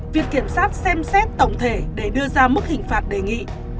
viện kiểm sát xem xét tổng thể để đưa ra mức hình phạt đề nghị